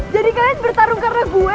jadi kalian bertarung karena gue